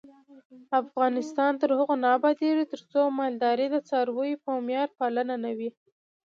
افغانستان تر هغو نه ابادیږي، ترڅو مالداري د څارویو په معیاري پالنه نه وي.